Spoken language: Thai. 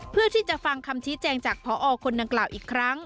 เพื่อที่จะฟังคำชี้แจงจากพอคนดังกล่าวอีกครั้ง